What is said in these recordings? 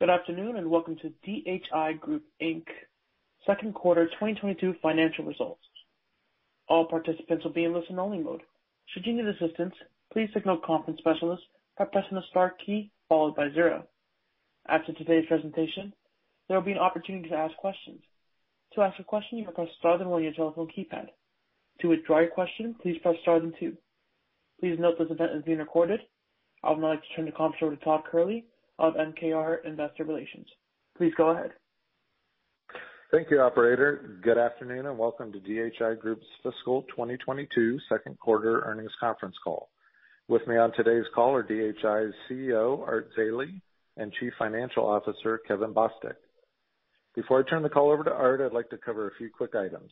Good afternoon, and welcome to DHI Group, Inc. second quarter 2022 financial results. All participants will be in listen only mode. Should you need assistance, please contact the conference specialist by pressing the star key followed by zero. After today's presentation, there will be an opportunity to ask questions. To ask a question, you press star then one on your telephone keypad. To withdraw your question, please press star then two. Please note this event is being recorded. I would now like to turn the conference over to Todd Kehrli of MKR Investor Relations. Please go ahead. Thank you, operator. Good afternoon, and welcome to DHI Group's fiscal 2022 second quarter earnings conference call. With me on today's call are DHI's CEO, Art Zeile, and Chief Financial Officer, Kevin Bostick. Before I turn the call over to Art, I'd like to cover a few quick items.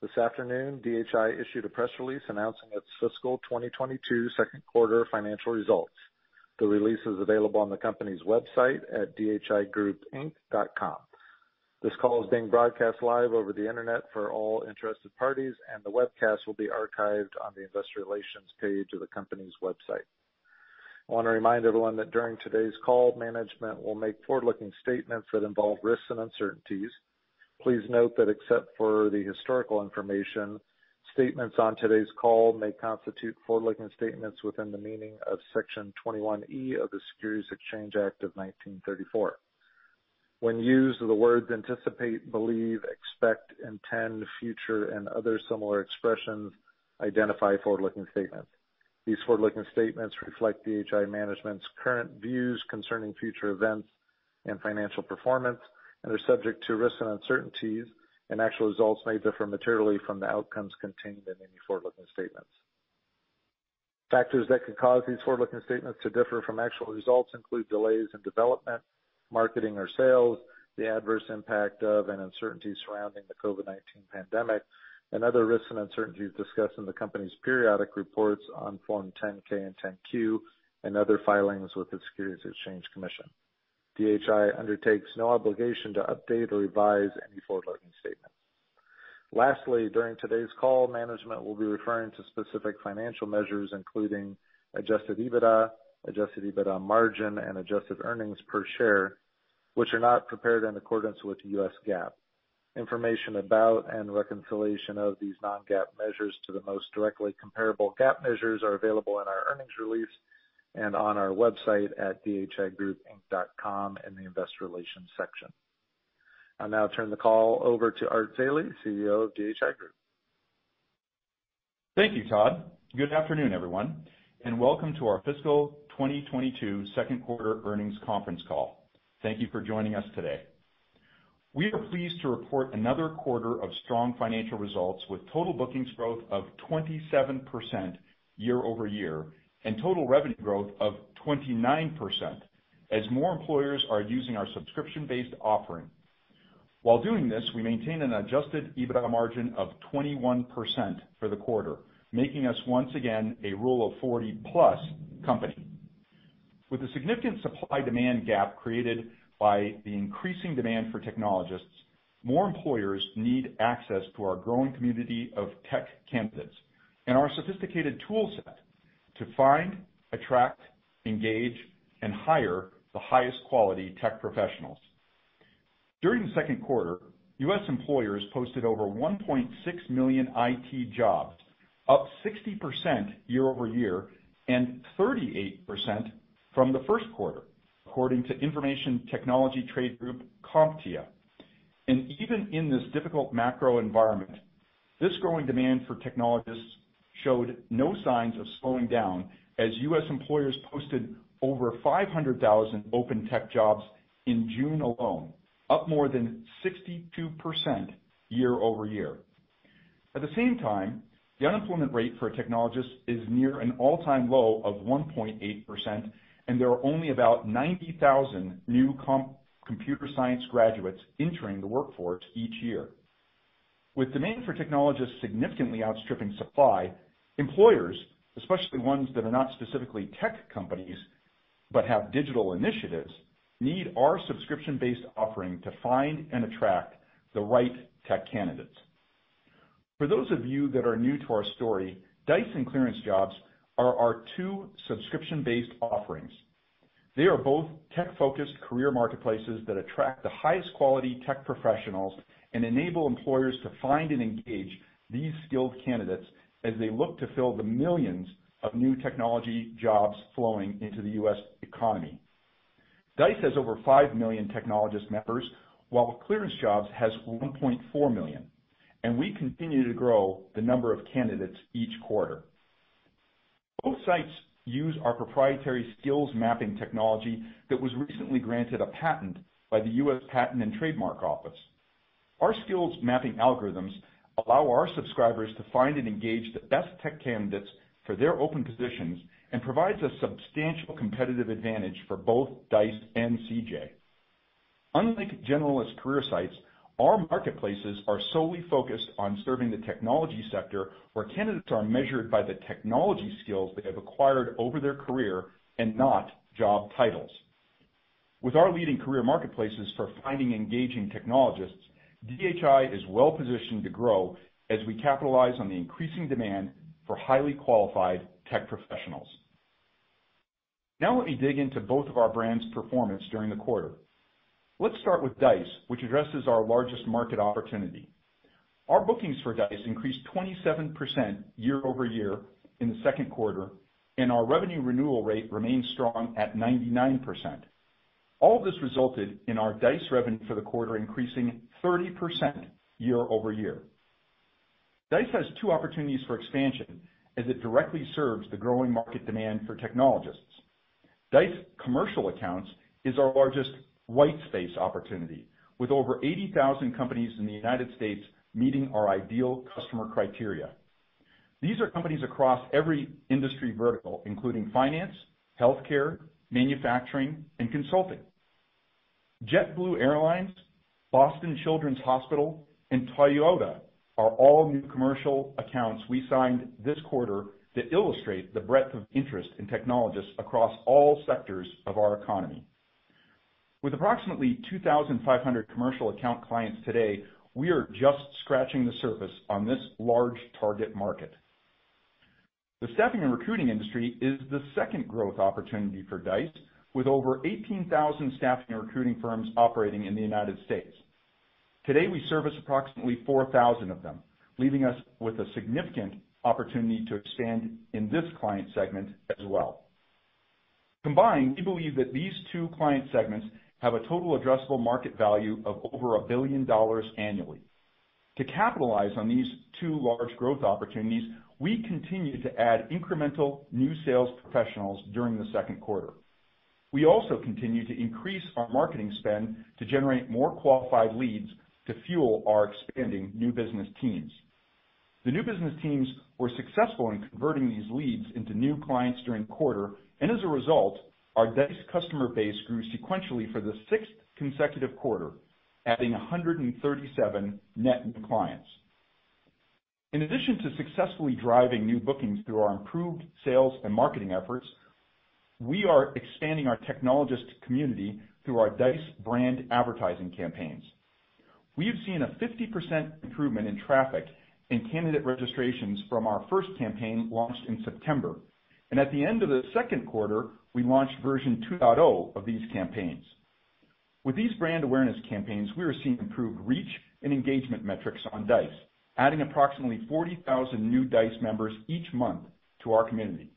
This afternoon, DHI issued a press release announcing its fiscal 2022 second quarter financial results. The release is available on the company's website at dhigroupinc.com. This call is being broadcast live over the Internet for all interested parties, and the webcast will be archived on the investor relations page of the company's website. I wanna remind everyone that during today's call, management will make forward-looking statements that involve risks and uncertainties. Please note that except for the historical information, statements on today's call may constitute forward-looking statements within the meaning of section 21E of the Securities Exchange Act of 1934. When used, the words anticipate, believe, expect, intend, future, and other similar expressions identify forward-looking statements. These forward-looking statements reflect DHI management's current views concerning future events and financial performance and are subject to risks and uncertainties, and actual results may differ materially from the outcomes contained in any forward-looking statements. Factors that could cause these forward-looking statements to differ from actual results include delays in development, marketing or sales, the adverse impact of and uncertainty surrounding the COVID-19 pandemic and other risks and uncertainties discussed in the company's periodic reports on Form 10-K and 10-Q and other filings with the Securities and Exchange Commission. DHI undertakes no obligation to update or revise any forward-looking statement. Lastly, during today's call, management will be referring to specific financial measures, including adjusted EBITDA, adjusted EBITDA margin, and adjusted earnings per share, which are not prepared in accordance with U.S. GAAP. Information about and reconciliation of these non-GAAP measures to the most directly comparable GAAP measures are available in our earnings release and on our website at dhigroupinc.com in the investor relations section. I'll now turn the call over to Art Zeile, CEO of DHI Group. Thank you, Todd. Good afternoon, everyone, and welcome to our fiscal 2022 second quarter earnings conference call. Thank you for joining us today. We are pleased to report another quarter of strong financial results with total bookings growth of 27% year-over-year and total revenue growth of 29% as more employers are using our subscription-based offering. While doing this, we maintain an adjusted EBITDA margin of 21% for the quarter, making us once again a Rule of 40-plus company. With a significant supply demand gap created by the increasing demand for technologists, more employers need access to our growing community of tech candidates and our sophisticated tool set to find, attract, engage, and hire the highest quality tech professionals. During the second quarter, U.S. employers posted over 1.6 million IT jobs, up 60% year-over-year and 38% from the first quarter, according to information technology trade group, CompTIA. Even in this difficult macro environment, this growing demand for technologists showed no signs of slowing down as U.S. employers posted over 500,000 open tech jobs in June alone, up more than 62% year-over-year. At the same time, the unemployment rate for a technologist is near an all-time low of 1.8%, and there are only about 90,000 new computer science graduates entering the workforce each year. With demand for technologists significantly outstripping supply, employers, especially ones that are not specifically tech companies but have digital initiatives, need our subscription-based offering to find and attract the right tech candidates. For those of you that are new to our story, Dice and ClearanceJobs are our two subscription-based offerings. They are both tech-focused career marketplaces that attract the highest quality tech professionals and enable employers to find and engage these skilled candidates as they look to fill the millions of new technology jobs flowing into the U.S. economy. Dice has over 5 million technologist members, while ClearanceJobs has 1.4 million, and we continue to grow the number of candidates each quarter. Both sites use our proprietary skills mapping technology that was recently granted a patent by the U.S. Patent and Trademark Office. Our skills mapping algorithms allow our subscribers to find and engage the best tech candidates for their open positions and provides a substantial competitive advantage for both Dice and CJ. Unlike generalist career sites, our marketplaces are solely focused on serving the technology sector, where candidates are measured by the technology skills they have acquired over their career and not job titles. With our leading career marketplaces for finding engaging technologists, DHI is well-positioned to grow as we capitalize on the increasing demand for highly qualified tech professionals. Now let me dig into both of our brands' performance during the quarter. Let's start with Dice, which addresses our largest market opportunity. Our bookings for Dice increased 27% year-over-year in the second quarter, and our revenue renewal rate remains strong at 99%. All of this resulted in our Dice revenue for the quarter increasing 30% year-over-year. Dice has two opportunities for expansion as it directly serves the growing market demand for technologists. Dice commercial accounts is our largest white space opportunity, with over 80,000 companies in the United States meeting our ideal customer criteria. These are companies across every industry vertical, including finance, healthcare, manufacturing, and consulting. JetBlue Airways, Boston Children's Hospital, and Toyota are all new commercial accounts we signed this quarter that illustrate the breadth of interest in technologists across all sectors of our economy. With approximately 2,500 commercial account clients today, we are just scratching the surface on this large target market. The staffing and recruiting industry is the second growth opportunity for Dice, with over 18,000 staffing and recruiting firms operating in the United States. Today, we service approximately 4,000 of them, leaving us with a significant opportunity to expand in this client segment as well. Combined, we believe that these two client segments have a total addressable market value of over $1 billion annually. To capitalize on these two large growth opportunities, we continue to add incremental new sales professionals during the second quarter. We also continue to increase our marketing spend to generate more qualified leads to fuel our expanding new business teams. The new business teams were successful in converting these leads into new clients during the quarter, and as a result, our Dice customer base grew sequentially for the sixth consecutive quarter, adding 137 net new clients. In addition to successfully driving new bookings through our improved sales and marketing efforts, we are expanding our technologist community through our Dice brand advertising campaigns. We have seen a 50% improvement in traffic and candidate registrations from our first campaign launched in September, and at the end of the second quarter, we launched version 2.0 of these campaigns. With these brand awareness campaigns, we are seeing improved reach and engagement metrics on Dice, adding approximately 40,000 new Dice members each month to our community.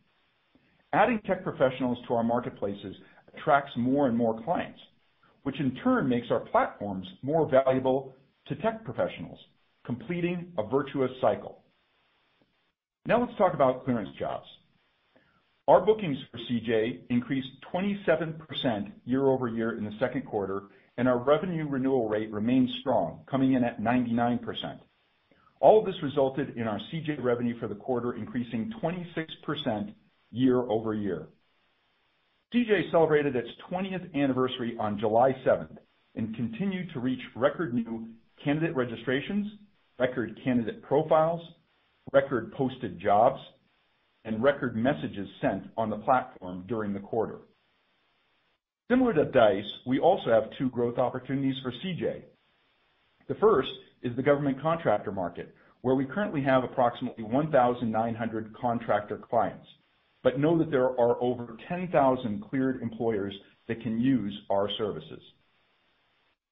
Adding tech professionals to our marketplaces attracts more and more clients, which in turn makes our platforms more valuable to tech professionals, completing a virtuous cycle. Now let's talk about ClearanceJobs. Our bookings for CJ increased 27% year-over-year in the second quarter, and our revenue renewal rate remains strong, coming in at 99%. All of this resulted in our CJ revenue for the quarter increasing 26% year-over-year. CJ celebrated its 20th anniversary on July 7 and continued to reach record new candidate registrations, record candidate profiles, record posted jobs, and record messages sent on the platform during the quarter. Similar to Dice, we also have two growth opportunities for CJ. The first is the government contractor market, where we currently have approximately 1,900 contractor clients, but know that there are over 10,000 cleared employers that can use our services.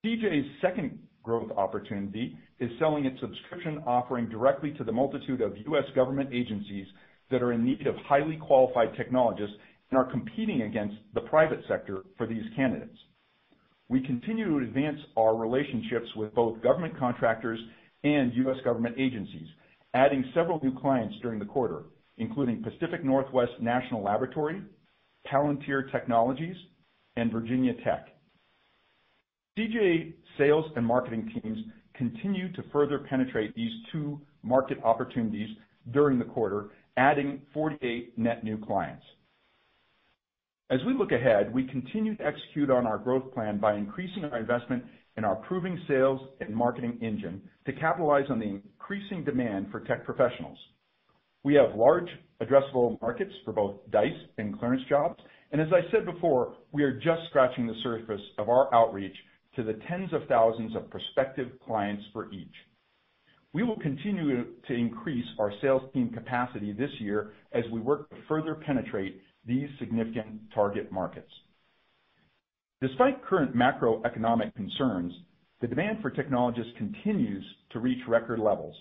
CJ's second growth opportunity is selling its subscription offering directly to the multitude of U.S. government agencies that are in need of highly qualified technologists and are competing against the private sector for these candidates. We continue to advance our relationships with both government contractors and U.S. government agencies, adding several new clients during the quarter, including Pacific Northwest National Laboratory, Palantir Technologies, and Virginia Tech. CJ sales and marketing teams continued to further penetrate these two market opportunities during the quarter, adding 48 net new clients. As we look ahead, we continue to execute on our growth plan by increasing our investment in our proven sales and marketing engine to capitalize on the increasing demand for tech professionals. We have large addressable markets for both Dice and ClearanceJobs, and as I said before, we are just scratching the surface of our outreach to the tens of thousands of prospective clients for each. We will continue to increase our sales team capacity this year as we work to further penetrate these significant target markets. Despite current macroeconomic concerns, the demand for technologists continues to reach record levels.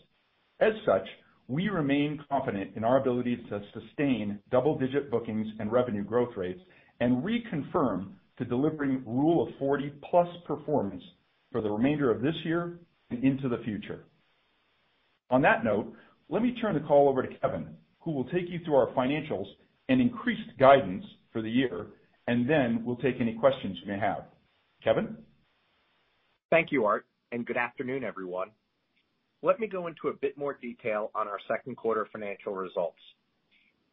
As such, we remain confident in our ability to sustain double-digit bookings and revenue growth rates and reconfirm to delivering Rule of 40-plus performance for the remainder of this year and into the future. On that note, let me turn the call over to Kevin, who will take you through our financials and increased guidance for the year, and then we'll take any questions you may have. Kevin? Thank you, Art, and good afternoon, everyone. Let me go into a bit more detail on our second quarter financial results.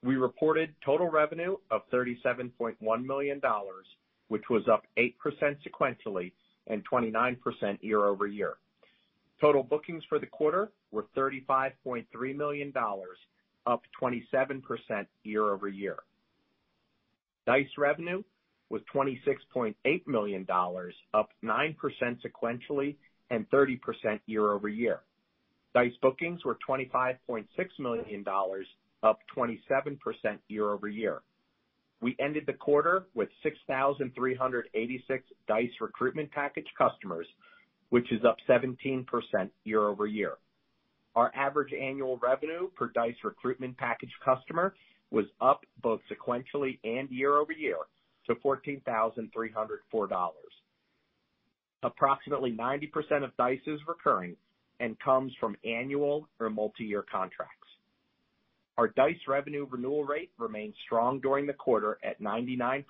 We reported total revenue of $37.1 million, which was up 8% sequentially and 29% year-over-year. Total bookings for the quarter were $35.3 million, up 27% year-over-year. Dice revenue was $26.8 million, up 9% sequentially and 30% year-over-year. Dice bookings were $25.6 million, up 27% year-over-year. We ended the quarter with 6,386 Dice recruitment package customers, which is up 17% year-over-year. Our average annual revenue per Dice recruitment package customer was up both sequentially and year-over-year to $14,304. Approximately 90% of Dice is recurring and comes from annual or multi-year contracts. Our Dice revenue renewal rate remained strong during the quarter at 99%,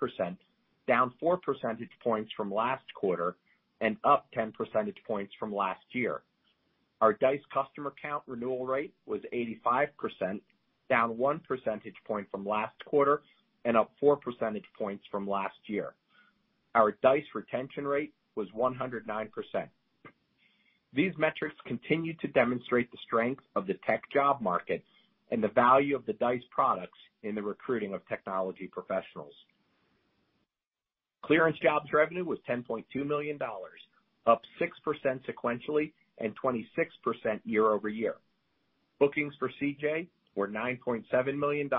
down 4 percentage points from last quarter and up 10 percentage points from last year. Our Dice customer count renewal rate was 85%, down 1 percentage point from last quarter and up 4 percentage points from last year. Our Dice retention rate was 109%. These metrics continue to demonstrate the strength of the tech job market and the value of the Dice products in the recruiting of technology professionals. ClearanceJobs revenue was $10.2 million, up 6% sequentially and 26% year-over-year. Bookings for CJ were $9.7 million,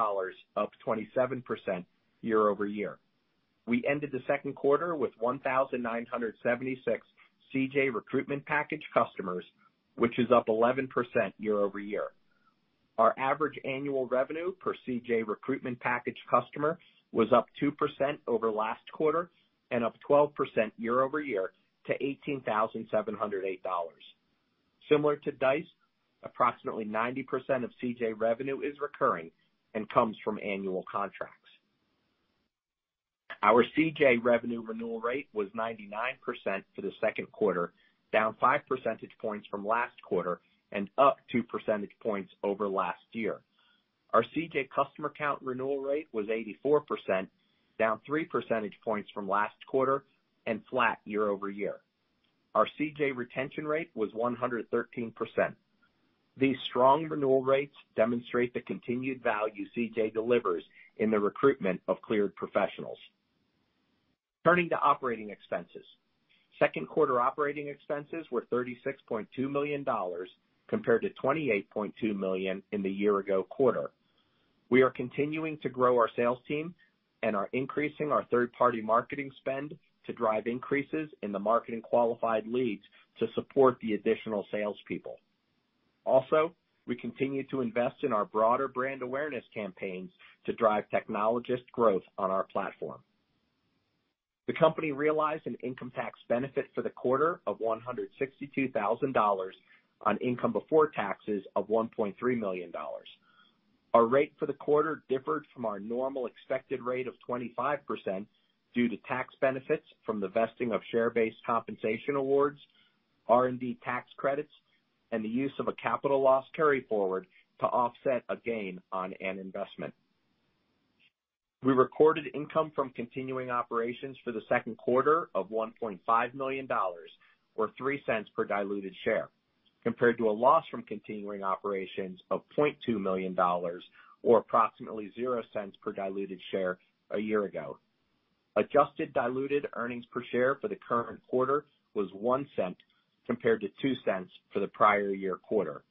up 27% year-over-year. We ended the second quarter with 1,976 CJ recruitment package customers, which is up 11% year-over-year. Our average annual revenue per CJ recruitment package customer was up 2% over last quarter and up 12% year-over-year to $18,708. Similar to Dice, approximately 90% of CJ revenue is recurring and comes from annual contracts. Our CJ revenue renewal rate was 99% for the second quarter, down 5 percentage points from last quarter and up 2 percentage points over last year. Our CJ customer count renewal rate was 84%, down 3 percentage points from last quarter and flat year-over-year. Our CJ retention rate was 113%. These strong renewal rates demonstrate the continued value CJ delivers in the recruitment of cleared professionals. Turning to operating expenses. Second quarter operating expenses were $36.2 million compared to $28.2 million in the year ago quarter. We are continuing to grow our sales team and are increasing our third-party marketing spend to drive increases in the marketing qualified leads to support the additional salespeople. Also, we continue to invest in our broader brand awareness campaigns to drive technologist growth on our platform. The company realized an income tax benefit for the quarter of $162,000 on income before taxes of $1.3 million. Our rate for the quarter differed from our normal expected rate of 25% due to tax benefits from the vesting of share-based compensation awards, R&D tax credits, and the use of a capital loss carry-forward to offset a gain on an investment. We recorded income from continuing operations for the second quarter of $1.5 million, or $0.03 per diluted share, compared to a loss from continuing operations of $0.2 million or approximately $0.00 per diluted share a year ago. Adjusted diluted earnings per share for the current quarter was $0.01 compared to $0.02 for the prior year quarter.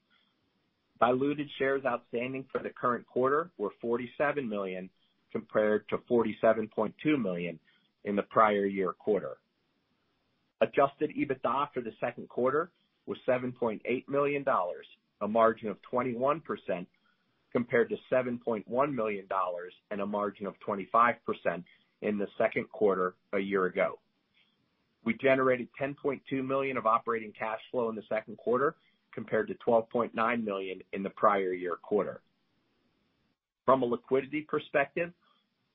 Diluted shares outstanding for the current quarter were 47 million compared to 47.2 million in the prior year quarter. Adjusted EBITDA for the second quarter was $7.8 million, a margin of 21% compared to $7.1 million and a margin of 25% in the second quarter a year ago. We generated $10.2 million of operating cash flow in the second quarter compared to $12.9 million in the prior year quarter. From a liquidity perspective,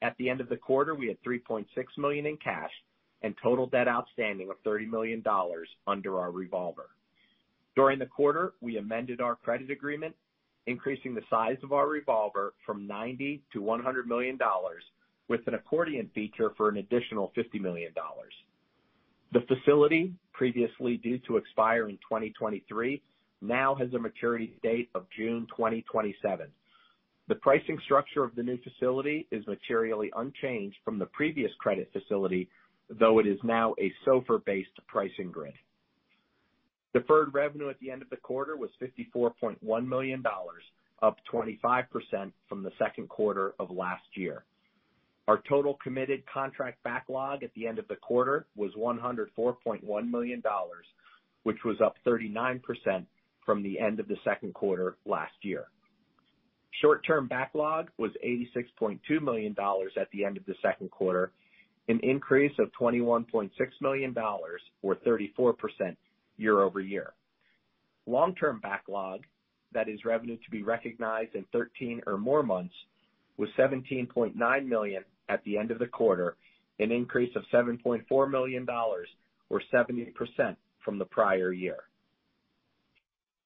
at the end of the quarter, we had $3.6 million in cash and total debt outstanding of $30 million under our revolver. During the quarter, we amended our credit agreement, increasing the size of our revolver from $90 million to $100 million with an accordion feature for an additional $50 million. The facility previously due to expire in 2023, now has a maturity date of June 2027. The pricing structure of the new facility is materially unchanged from the previous credit facility, though it is now a SOFR-based pricing grid. Deferred revenue at the end of the quarter was $54.1 million, up 25% from the second quarter of last year. Our total committed contract backlog at the end of the quarter was $104.1 million, which was up 39% from the end of the second quarter last year. Short-term backlog was $86.2 million at the end of the second quarter, an increase of $21.6 million or 34% year-over-year. Long-term backlog, that is revenue to be recognized in thirteen or more months, was $17.9 million at the end of the quarter, an increase of $7.4 million or 70% from the prior year.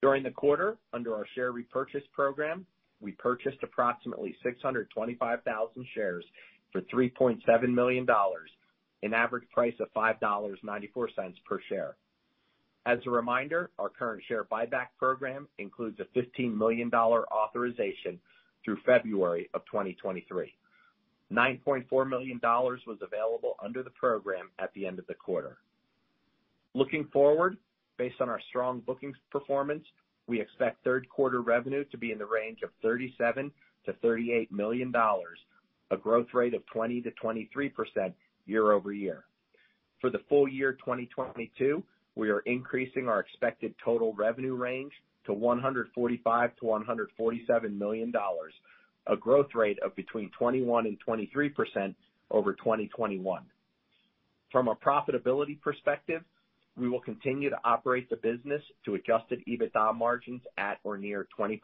During the quarter, under our share repurchase program, we purchased approximately 625,000 shares for $3.7 million, an average price of $5.94 per share. As a reminder, our current share buyback program includes a $15 million authorization through February of 2023. $9.4 million was available under the program at the end of the quarter. Looking forward, based on our strong bookings performance, we expect third quarter revenue to be in the range of $37 to 38 million, a growth rate of 20% to 23% year-over-year. For the full year 2022, we are increasing our expected total revenue range to $145 to 147 million, a growth rate of between 21% and 23% over 2021. From a profitability perspective, we will continue to operate the business to adjusted EBITDA margins at or near 20%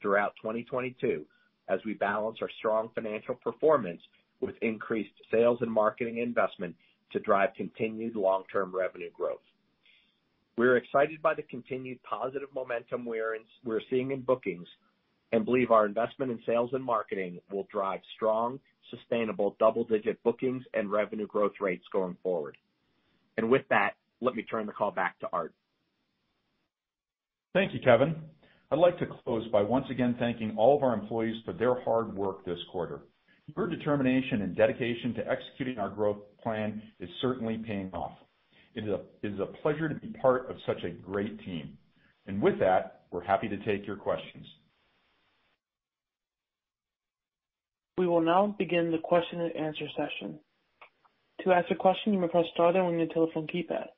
throughout 2022 as we balance our strong financial performance with increased sales and marketing investment to drive continued long-term revenue growth. We're excited by the continued positive momentum we're seeing in bookings and believe our investment in sales and marketing will drive strong, sustainable double-digit bookings and revenue growth rates going forward. With that, let me turn the call back to Art. Thank you, Kevin. I'd like to close by once again thanking all of our employees for their hard work this quarter. Your determination and dedication to executing our growth plan is certainly paying off. It is a pleasure to be part of such a great team. With that, we're happy to take your questions. We will now begin the question and answer session. To ask a question, you may press star, then one on your telephone keypad.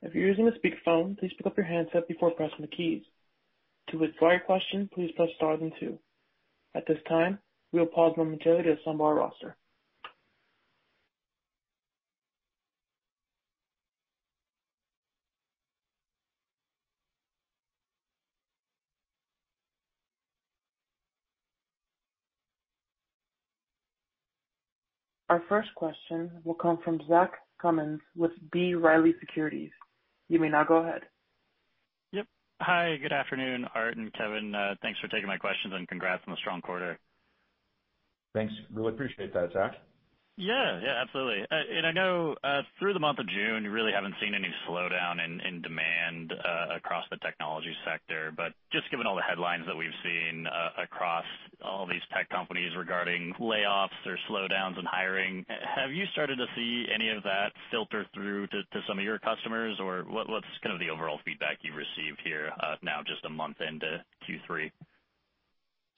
If you're using a speakerphone, please pick up your handset before pressing the keys. To withdraw your question, please press star, then two. At this time, we'll pause momentarily to assemble our roster. Our first question will come from Zach Cummins with B. Riley Securities. You may now go ahead. Yep. Hi, good afternoon, Art and Kevin. Thanks for taking my questions and congrats on the strong quarter. Thanks. Really appreciate that, Zach. Yeah. Yeah, absolutely. I know through the month of June, you really haven't seen any slowdown in demand across the technology sector. Just given all the headlines that we've seen across all these tech companies regarding layoffs or slowdowns in hiring, have you started to see any of that filter through to some of your customers? Or what's kind of the overall feedback you've received here now just a month into Q3?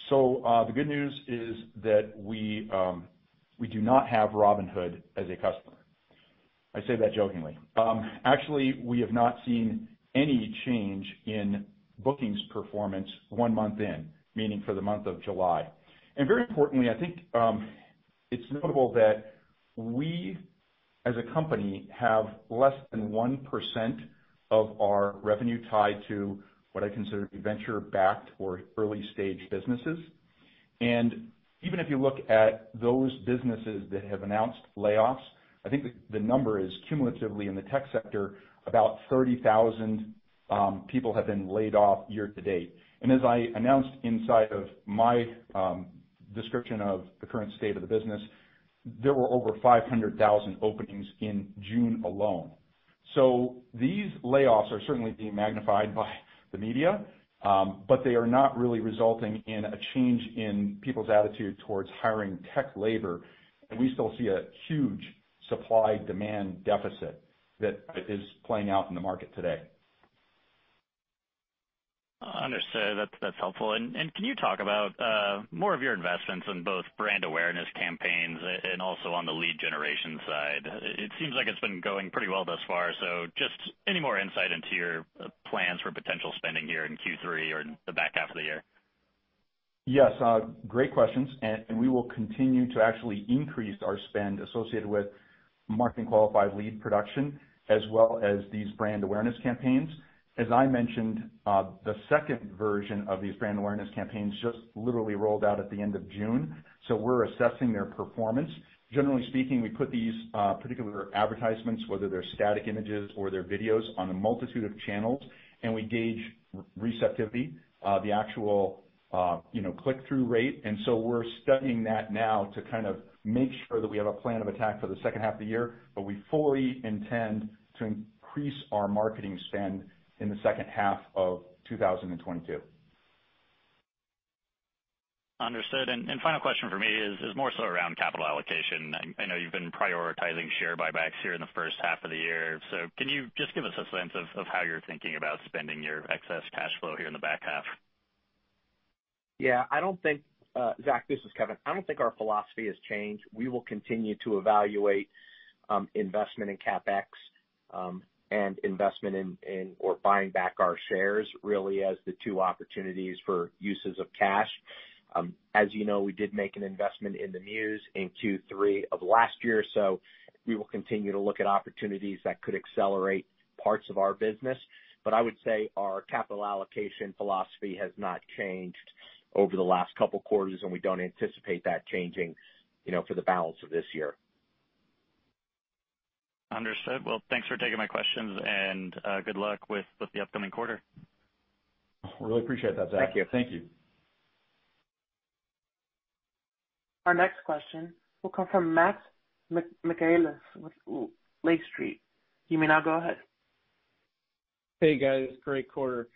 The good news is that we do not have Robinhood as a customer. I say that jokingly. Actually, we have not seen any change in bookings performance one month in, meaning for the month of July. Very importantly, I think it's notable that we, as a company, have less than 1% of our revenue tied to what I consider venture-backed or early-stage businesses. Even if you look at those businesses that have announced layoffs, I think the number is cumulatively in the tech sector, about 30,000 people have been laid off year to date. As I announced inside of my description of the current state of the business, there were over 500,000 openings in June alone. These layoffs are certainly being magnified by the media, but they are not really resulting in a change in people's attitude towards hiring tech labor. We still see a huge supply-demand deficit that is playing out in the market today. Understood. That's helpful. Can you talk about more of your investments in both brand awareness campaigns and also on the lead generation side? It seems like it's been going pretty well thus far, so just any more insight into your plans for potential spending here in Q3 or the back half of the year? Yes. Great questions. We will continue to actually increase our spend associated with marketing qualified lead production as well as these brand awareness campaigns. As I mentioned, the second version of these brand awareness campaigns just literally rolled out at the end of June, so we're assessing their performance. Generally speaking, we put these particular advertisements, whether they're static images or they're videos, on a multitude of channels, and we gauge receptivity, the actual click-through rate. We're studying that now to kind of make sure that we have a plan of attack for the second half of the year, but we fully intend to increase our marketing spend in the second half of 2022. Understood. Final question for me is more so around capital allocation. I know you've been prioritizing share buybacks here in the first half of the year. Can you just give us a sense of how you're thinking about spending your excess cash flow here in the back half? Yeah. I don't think, Zach, this is Kevin. I don't think our philosophy has changed. We will continue to evaluate investment in CapEx and investment in or buying back our shares really as the two opportunities for uses of cash. As you know, we did make an investment in The Muse in Q3 of last year, so we will continue to look at opportunities that could accelerate parts of our business. I would say our capital allocation philosophy has not changed over the last couple quarters, and we don't anticipate that changing, you know, for the balance of this year. Understood. Well, thanks for taking my questions, and good luck with the upcoming quarter. Really appreciate that, Zach. Thank you. Thank you. Our next question will come from Max Michaelis with Lake Street. You may now go ahead. Hey guys, great quarter.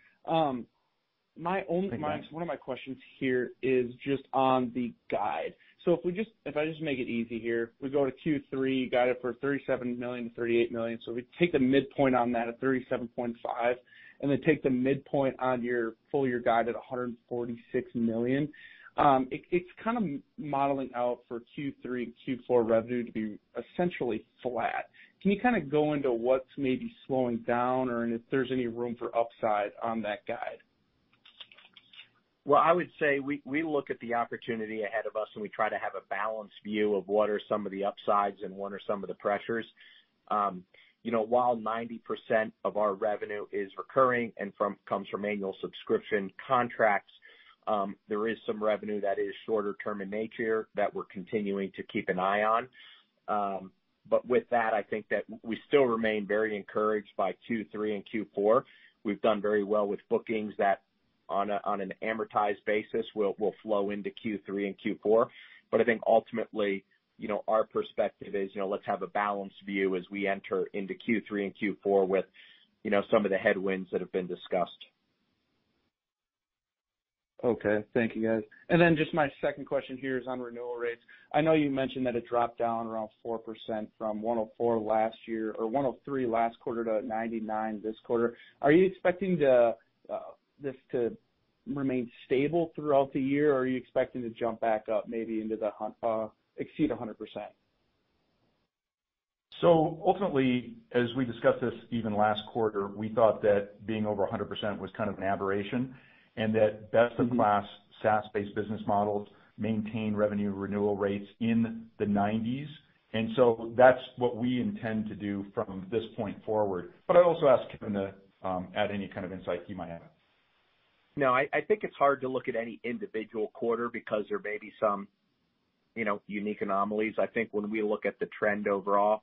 My only- Hey, Max. One of my questions here is just on the guide. If I just make it easy here, we go to Q3 guidance for $37 to $38 million. We take the midpoint on that at $37.5 million, and then take the midpoint on your full year guide at $146 million. It's kind of modeling out for Q3 and Q4 revenue to be essentially flat. Can you kind of go into what's maybe slowing down or if there's any room for upside on that guide? Well, I would say we look at the opportunity ahead of us, and we try to have a balanced view of what are some of the upsides and what are some of the pressures. You know, while 90% of our revenue is recurring and comes from annual subscription contracts, there is some revenue that is shorter term in nature that we're continuing to keep an eye on. With that, I think that we still remain very encouraged by Q3 and Q4. We've done very well with bookings that on an amortized basis will flow into Q3 and Q4. I think ultimately, you know, our perspective is, you know, let's have a balanced view as we enter into Q3 and Q4 with, you know, some of the headwinds that have been discussed. Okay. Thank you guys. Just my second question here is on renewal rates. I know you mentioned that it dropped down around 4% from 104% last year or 103% last quarter to 99% this quarter. Are you expecting this to remain stable throughout the year, or are you expecting to jump back up maybe exceed 100%? Ultimately, as we discussed this even last quarter, we thought that being over 100% was kind of an aberration, and that best-in-class SaaS-based business models maintain revenue renewal rates in the 90s. That's what we intend to do from this point forward. I'd also ask Kevin to add any kind of insight he might have. No, I think it's hard to look at any individual quarter because there may be some, you know, unique anomalies. I think when we look at the trend overall,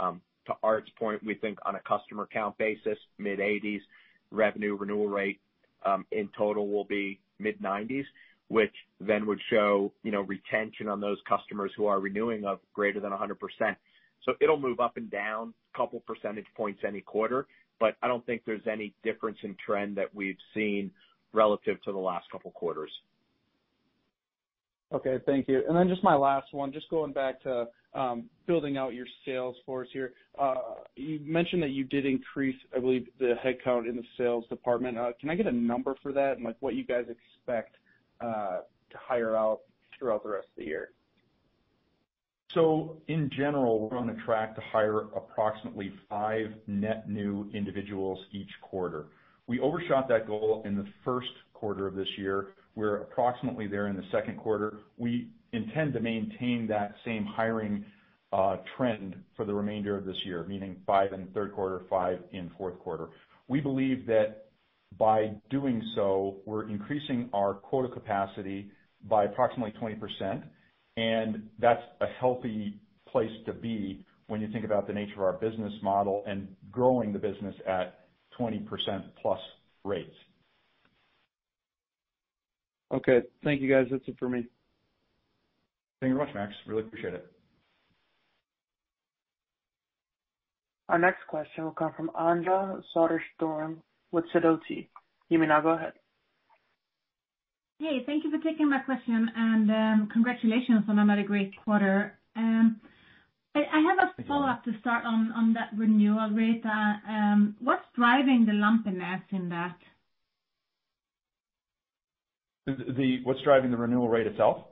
to Art's point, we think on a customer count basis, mid-80s, revenue renewal rate, in total will be mid-90s, which then would show, you know, retention on those customers who are renewing of greater than 100%. It'll move up and down couple percentage points any quarter, but I don't think there's any difference in trend that we've seen relative to the last couple quarters. Okay. Thank you. Just my last one, just going back to building out your sales force here. You mentioned that you did increase, I believe, the headcount in the sales department. Can I get a number for that and like what you guys expect to hire out throughout the rest of the year? In general, we're on the track to hire approximately 5 net new individuals each quarter. We overshot that goal in the first quarter of this year. We're approximately there in the second quarter. We intend to maintain that same hiring trend for the remainder of this year, meaning 5 in third quarter, 5 in fourth quarter. We believe that by doing so, we're increasing our quota capacity by approximately 20%, and that's a healthy place to be when you think about the nature of our business model and growing the business at 20%+ rates. Okay. Thank you, guys. That's it for me. Thank you much, Max. Really appreciate it. Our next question will come from Anja Soderstrom with Sidoti. You may now go ahead. Hey, thank you for taking my question, and, congratulations on another great quarter. I have a follow-up to start on that renewal rate. What's driving the lumpiness in that? What's driving the renewal rate itself?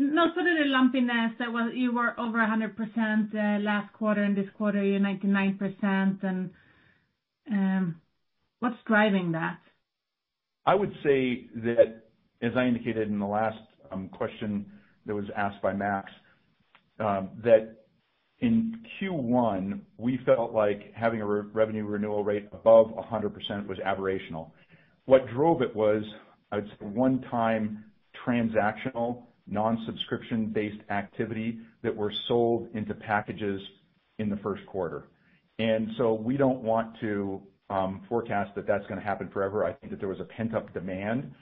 No, sorry, the lumpiness that was, you were over 100% last quarter, and this quarter you're 99%. What's driving that? I would say that, as I indicated in the last question that was asked by Max, that in Q1, we felt like having a revenue renewal rate above 100% was aberrational. What drove it was, I'd say, one-time transactional, non-subscription based activity that were sold into packages in the first quarter. We don't want to forecast that that's gonna happen forever. I think that there was a pent-up demand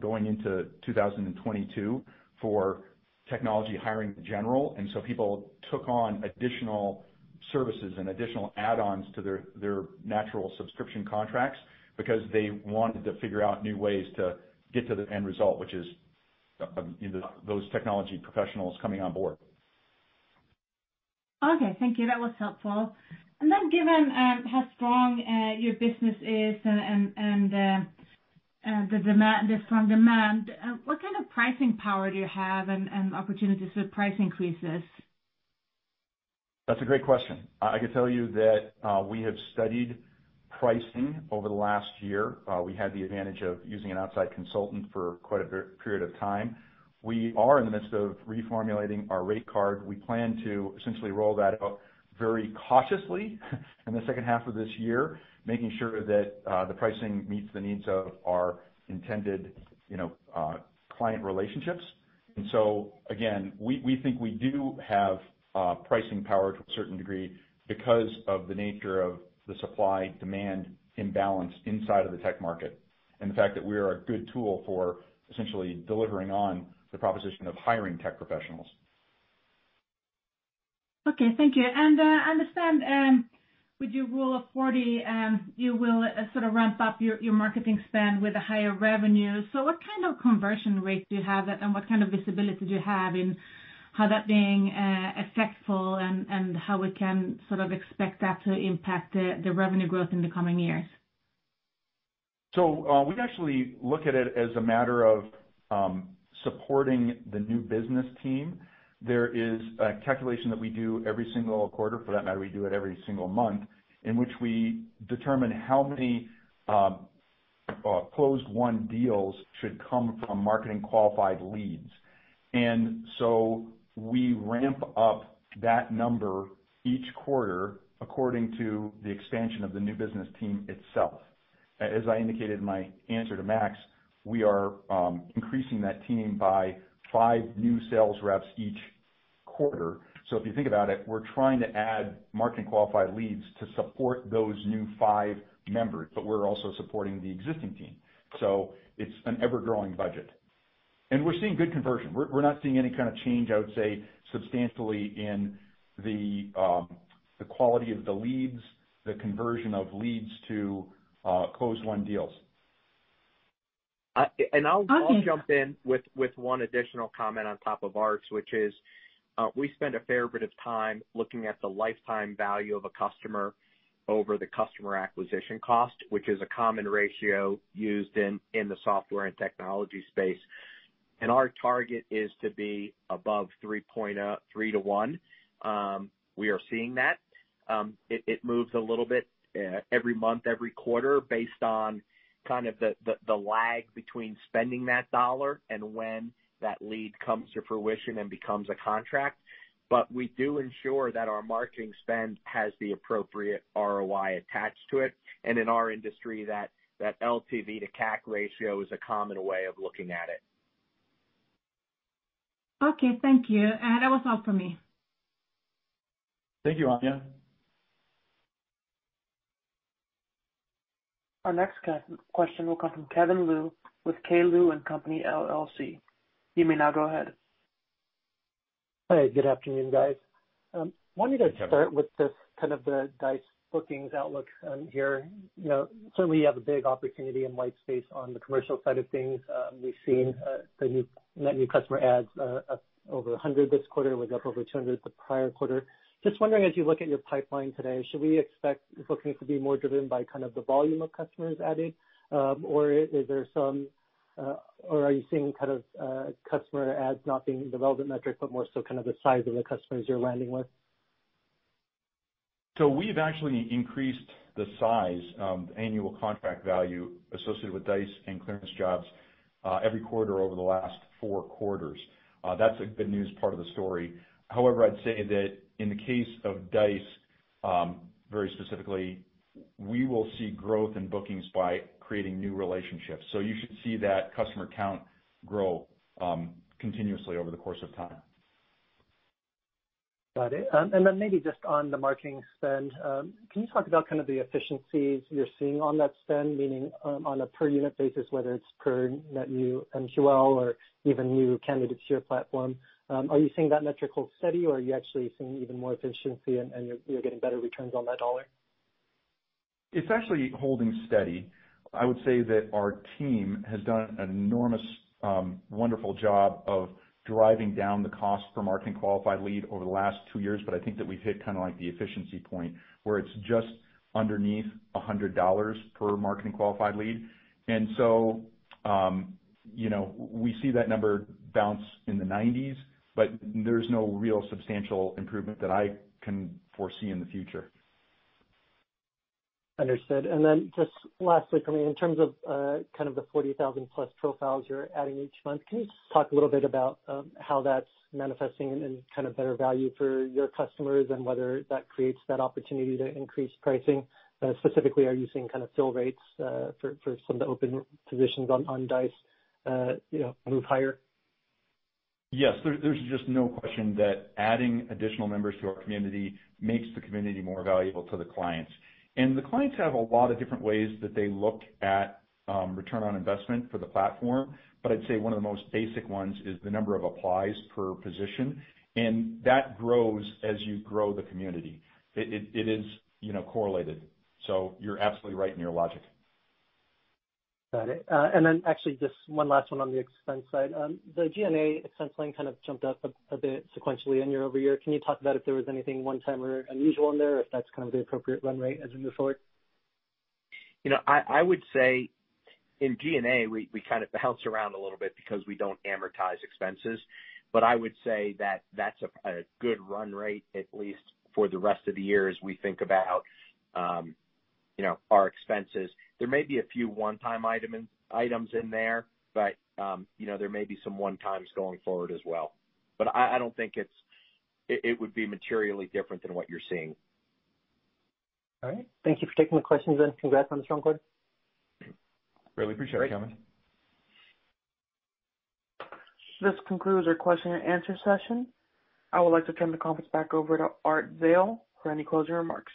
going into 2022 for technology hiring in general, and so people took on additional services and additional add-ons to their natural subscription contracts because they wanted to figure out new ways to get to the end result, which is, you know, those technology professionals coming on board. Okay. Thank you. That was helpful. Given how strong your business is and the strong demand, what kind of pricing power do you have and opportunities with price increases? That's a great question. I can tell you that we have studied pricing over the last year. We had the advantage of using an outside consultant for quite a period of time. We are in the midst of reformulating our rate card. We plan to essentially roll that out very cautiously in the second half of this year, making sure that the pricing meets the needs of our intended, you know, client relationships. Again, we think we do have pricing power to a certain degree because of the nature of the supply-demand imbalance inside of the tech market, and the fact that we are a good tool for essentially delivering on the proposition of hiring tech professionals. Okay, thank you. I understand with your Rule of 40, you will sort of ramp up your marketing spend with a higher revenue. What kind of conversion rates do you have and what kind of visibility do you have in how that being successful and how we can sort of expect that to impact the revenue growth in the coming years? We actually look at it as a matter of supporting the new business team. There is a calculation that we do every single quarter, for that matter, we do it every single month, in which we determine how many closed-won deals should come from marketing qualified leads. We ramp up that number each quarter according to the expansion of the new business team itself. As I indicated in my answer to Max, we are increasing that team by five new sales reps each quarter. If you think about it, we're trying to add marketing qualified leads to support those new five members, but we're also supporting the existing team. It's an ever-growing budget. We're seeing good conversion. We're not seeing any kind of change, I would say substantially in the quality of the leads, the conversion of leads to closed-won deals. I'll jump in with one additional comment on top of Art's, which is, we spend a fair bit of time looking at the lifetime value of a customer over the customer acquisition cost, which is a common ratio used in the software and technology space. Our target is to be above 3.3: 1. We are seeing that. It moves a little bit every month, every quarter based on kind of the lag between spending that dollar and when that lead comes to fruition and becomes a contract. We do ensure that our marketing spend has the appropriate ROI attached to it. In our industry, that LTV to CAC ratio is a common way of looking at it. Okay, thank you. That was all for me. Thank you, Anja. Our next question will come from Kevin Liu with K. Liu & Company, LLC. You may now go ahead. Hi, good afternoon, guys. Wanted to start with this kind of the Dice bookings outlook, here. You know, certainly you have a big opportunity in white space on the commercial side of things. We've seen the new net customer adds over 100 this quarter was up over 200 the prior quarter. Just wondering, as you look at your pipeline today, should we expect bookings to be more driven by kind of the volume of customers added? Or is there some, or are you seeing kind of customer adds not being the relevant metric, but more so kind of the size of the customers you're landing with? We've actually increased the size, annual contract value associated with Dice and ClearanceJobs, every quarter over the last four quarters. That's a good news part of the story. However, I'd say that in the case of Dice, very specifically, we will see growth in bookings by creating new relationships. You should see that customer count grow, continuously over the course of time. Got it. Maybe just on the marketing spend, can you talk about kind of the efficiencies you're seeing on that spend? Meaning, on a per unit basis, whether it's per net new MQL or even new candidates to your platform. Are you seeing that metric hold steady or are you actually seeing even more efficiency and you're getting better returns on that dollar? It's actually holding steady. I would say that our team has done an enormous wonderful job of driving down the cost per marketing qualified lead over the last 2 years, but I think that we've hit kind of like the efficiency point where it's just underneath $100 per marketing qualified lead. You know, we see that number bounce in the 90s, but there's no real substantial improvement that I can foresee in the future. Understood. Just lastly for me, in terms of kind of the 40,000+ profiles you're adding each month, can you just talk a little bit about how that's manifesting and kind of better value for your customers and whether that creates that opportunity to increase pricing? Specifically, are you seeing kind of fill rates for some of the open positions on Dice, you know, move higher? Yes. There's just no question that adding additional members to our community makes the community more valuable to the clients. The clients have a lot of different ways that they look at return on investment for the platform. I'd say one of the most basic ones is the number of applies per position, and that grows as you grow the community. It is, you know, correlated. You're absolutely right in your logic. Got it. Actually just one last one on the expense side. The G&A expense line kind of jumped up a bit sequentially and year over year. Can you talk about if there was anything one-time or unusual in there, if that's kind of the appropriate run rate as we move forward? You know, I would say in G&A, we kind of bounce around a little bit because we don't amortize expenses. I would say that that's a good run rate, at least for the rest of the year as we think about, you know, our expenses. There may be a few one-time items in there, but, you know, there may be some one-time going forward as well. I don't think it would be materially different than what you're seeing. All right. Thank you for taking the questions and congrats on the strong quarter. Really appreciate it, Kevin. This concludes our question and answer session. I would like to turn the conference back over to Art Zeile for any closing remarks.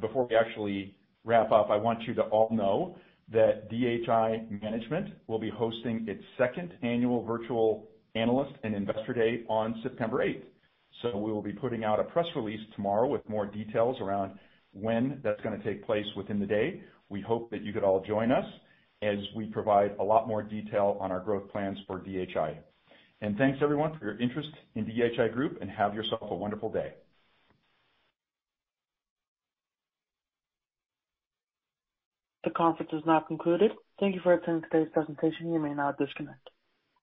Before we actually wrap up, I want you to all know that DHI Group will be hosting its second annual virtual analyst and Investor Day on September 8th. We will be putting out a press release tomorrow with more details around when that's gonna take place within the day. We hope that you could all join us as we provide a lot more detail on our growth plans for DHI. Thanks everyone for your interest in DHI Group, and have yourself a wonderful day. The conference is now concluded. Thank you for attending today's presentation. You may now disconnect.